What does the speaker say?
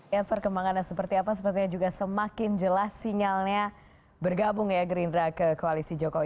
ya perkembangannya seperti apa sepertinya juga semakin jelas sinyalnya bergabung ya gerindra ke koalisi jokowi